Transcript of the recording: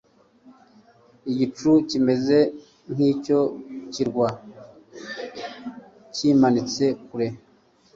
Igicu kimeze nkicyo kirwa kimanitse kure